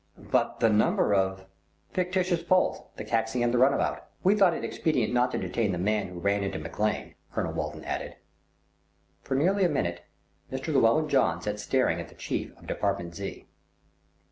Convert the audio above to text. "But the number of " "Fictitious both, the taxi and the run about. We thought it expedient not to detain the man who ran into McLean," Colonel Walton added. For nearly a minute Mr. Llewellyn John sat staring at the Chief of Department Z.